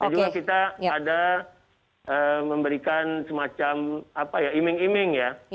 karena kita ada memberikan semacam iming iming ya